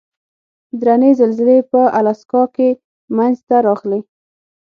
درنې زلزلې په الاسکا کې منځته راغلې.